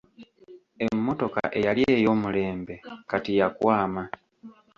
Emmotoka eyali ey'omulembe kati yakwama.